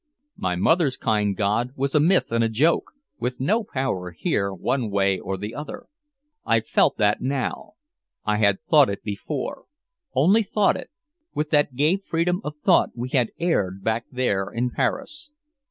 My mother's kind god was a myth and a joke, with no power here one way or the other. I felt that now, I had thought it before, only thought it, with that gay freedom of thought we had aired back there in Paris.